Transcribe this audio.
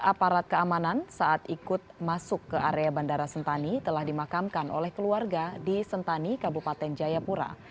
aparat keamanan saat ikut masuk ke area bandara sentani telah dimakamkan oleh keluarga di sentani kabupaten jayapura